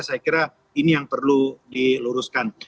saya kira ini yang perlu diluruskan